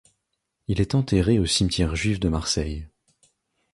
Il est enterré au cimetière juif de Marseille.